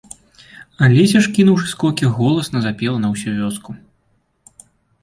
Алеся ж, кінуўшы скокі, голасна запела на ўсю вёску.